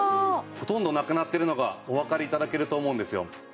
ほとんどなくなってるのがおわかり頂けると思うんですよ。